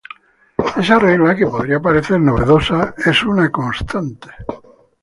Esa regla que podría parecer novedosa es una constante.